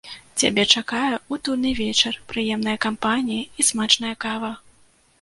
Цябе чакае утульны вечар, прыемная кампанія і смачная кава.